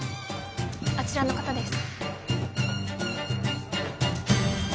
あちらの方です